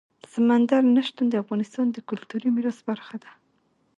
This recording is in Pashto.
سمندر نه شتون د افغانستان د کلتوري میراث برخه ده.